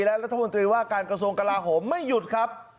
และรัฐมนตรีว่าการกระทรวงกลาโหมไม่หยุดครับ